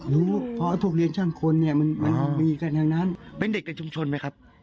รู้เพราะพวกเรียนช่างคนเนี่ยมันมีกันทั้งนั้นเป็นเด็กในชุมชนไหมครับ